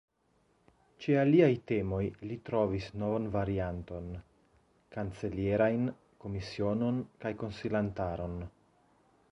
Ĉe aliaj temoj li trovis novan varianton: kancelierajn komisionon kaj konsilantaron.